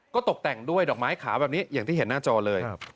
ก็ตกแต่งด้วยดอกไม้ขาวแบบนี้อย่างที่เห็นหน้าจอเลย